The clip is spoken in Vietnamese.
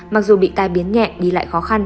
mặc dù bị tai biến nhẹ đi lại khó khăn